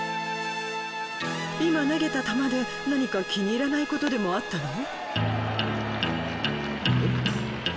今投げた球で何か気に入らないことでもあったの？